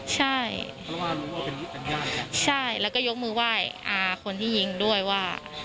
ใช่ใช่แล้วก็ยกมือว่ายคนที่ยิงด้วยว่า